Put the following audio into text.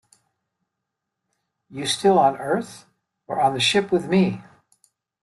You still on Earth, or on the ship with me?